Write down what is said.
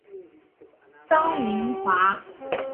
臧明华。